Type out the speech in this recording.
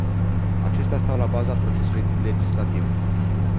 Acestea stau la baza procesului legislativ.